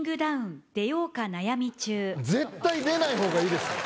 絶対出ない方がいいですよ。